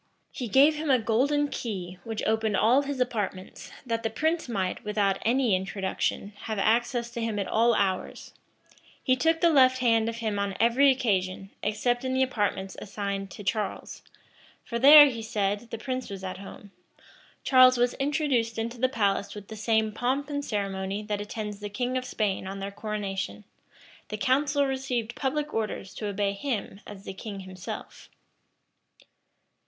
He gave him a golden key, which opened all his apartments, that the prince might; without any introduction, have access to him at all hours: he took the left hand of him on every occasion, except in the apartments assigned to Charles; for there, he said, the prince was at home: Charles was introduced into the palace with the same pomp and ceremony that attends the kings of Spain on their coronation: the council received public orders to obey him as the king himself.